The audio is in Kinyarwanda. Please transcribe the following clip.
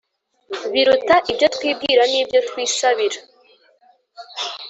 biruta ibyo twibwira n'ibyo twisabira.